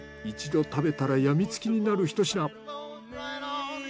一度食べたらやみつきになるひと品。